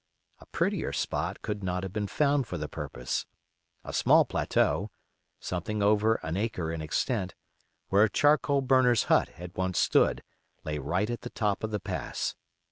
A prettier spot could not have been found for the purpose; a small plateau, something over an acre in extent, where a charcoal burner's hut had once stood, lay right at the top of the pass.